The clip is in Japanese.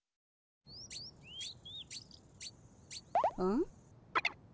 ん？